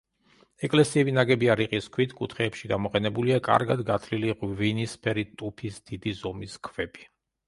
ეკლესიები ნაგებია რიყის ქვით, კუთხეებში გამოყენებულია კარგად გათლილი ღვინისფერი ტუფის დიდი ზომის ქვები.